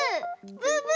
ブーブー！